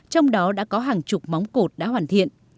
trong đó đã có hàng chục móng cột đã hoàn thiện